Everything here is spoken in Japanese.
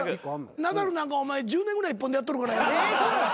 ナダルなんか１０年ぐらい１本でやっとるからやな。